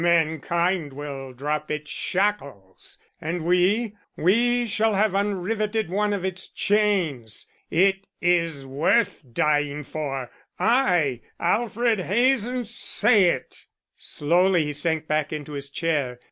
"Mankind will drop its shackles and we, we shall have unriveted one of its chains. It is worth dying for, I, Alfred Hazen, say it." Slowly he sank back into his chair.